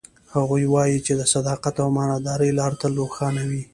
هغه وایي چې د صداقت او امانتدارۍ لار تل روښانه وي